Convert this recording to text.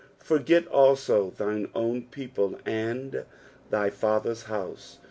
"Forget alio thine ovn. peopU, and thy fiUher't hoiae."